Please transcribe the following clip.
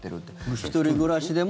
一人暮らしでも？